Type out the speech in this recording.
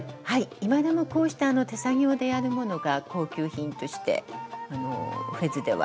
今でもこうした手作業でやるものが高級品としてフェズでは。